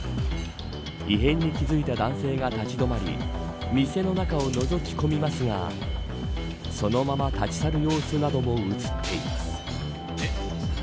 異変に気付いた男性が立ち止まり店の中をのぞき込みますがそのまま立ち去る様子なども映っています。